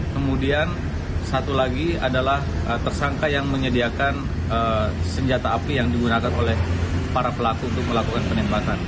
kemudian satu lagi adalah tersangka yang menyediakan senjata api yang digunakan oleh para pelaku untuk melakukan penembakan